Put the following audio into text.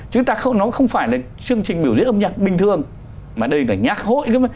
chứ nó không phải là chương trình biểu diễn âm nhạc bình thường mà đây là nhạc hội